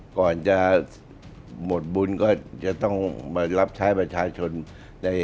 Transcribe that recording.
ก่อนจะหมดบุญก็จะต้องมารับใช้ประชาชนใน